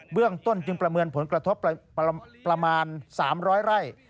เรื่องต้นจึงประเมินผลกระทบประมาณ๓๐๐ไร่